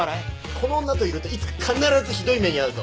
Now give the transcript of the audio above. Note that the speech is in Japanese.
この女といるといつか必ずひどい目に遭うぞ。